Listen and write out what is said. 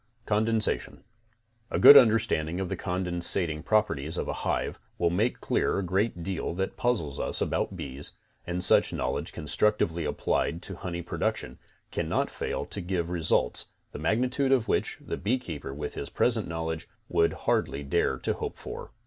CONDENSATION A good understanding of the condensing properties of a hive will make clear a great deal that pu2zels us about bees, and such knowledge constructively applied to honey production, cannot fail to give results, the magnitude of which, the beekéeper with his present knowledge, would hardly dare to hope for.